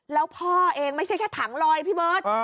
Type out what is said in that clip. แล้วพ่อเองไม่ใช่แค่ถังลอยพี่เบิร์ต